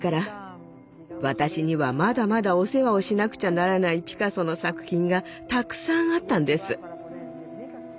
私にはまだまだお世話をしなくちゃならないピカソの作品がたくさんあったんです。